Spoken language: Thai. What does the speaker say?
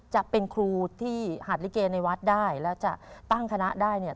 จะเป็นครูที่หัดลิเกในวัดได้แล้วจะตั้งคณะได้เนี่ย